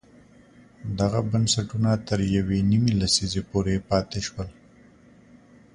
دغه بنسټونه تر یوې نیمې لسیزې پورې پاتې شول.